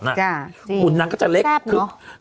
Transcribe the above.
หุ่นนางก็จะเล็กแซ่บเนอะ